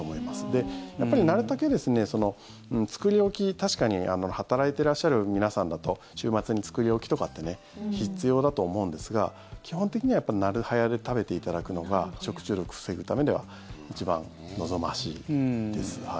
で、やっぱりなるたけ作り置き確かに働いてらっしゃる皆さんだと週末に作り置きとかって必要だと思うんですが基本的にはなるはやで食べていただくのが食中毒を防ぐためには一番望ましいです。